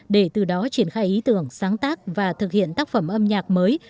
để từ đó triển khai ý tưởng sáng tác và thực hiện tác phẩm âm nhạc mới